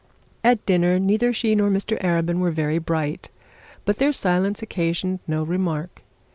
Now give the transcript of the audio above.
At dinner neither she nor Mr Arabin were very bright, but their silence occasioned no remark.